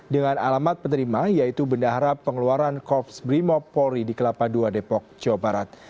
dengan alamat penerima yaitu bendahara pengeluaran korps brimo polri di kelapa ii depok jawa barat